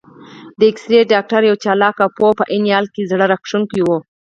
د اېکسرې ډاکټر یو چالاک، پوه او په عین حال کې زړه راښکونکی و.